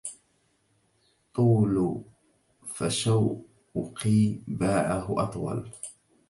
طول فشوقي باعه أطول